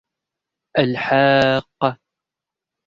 الْحَاقَّةُ